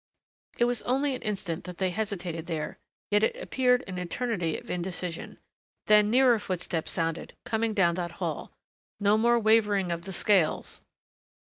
It was only an instant that they hesitated there, yet it appeared an eternity of indecision, then nearer footsteps sounded, coming down that hall. No more wavering of the scales!